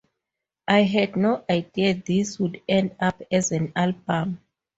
I had no idea this would end up as an album.